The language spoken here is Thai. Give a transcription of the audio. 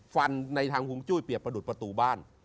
ฟันในทางฮวงจุ้ยเปรียบประดุษประตูบ้าน